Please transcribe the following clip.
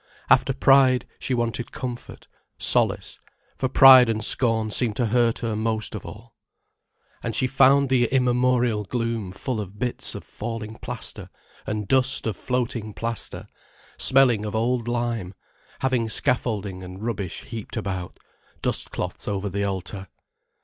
After pride, she wanted comfort, solace, for pride and scorn seemed to hurt her most of all. And she found the immemorial gloom full of bits of falling plaster, and dust of floating plaster, smelling of old lime, having scaffolding and rubbish heaped about, dust cloths over the altar.